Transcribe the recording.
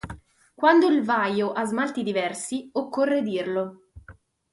Quando il vaio ha smalti diversi occorre dirlo.